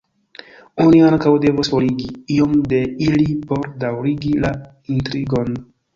Oni ankaŭ devos forigi iom de ili por daŭrigi la intrigon.